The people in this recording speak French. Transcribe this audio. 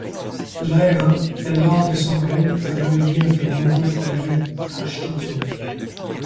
Jairan est lors de son règne à l'origine de nombreux projets architecturaux.